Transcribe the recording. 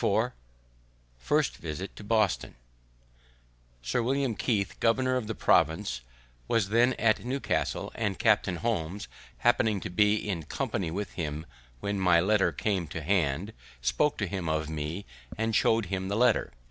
IV FIRST VISIT TO BOSTON Sir William Keith, governor of the province, was then at Newcastle, and Captain Holmes, happening to be in company with him when my letter came to hand, spoke to him of me, and show'd him the letter.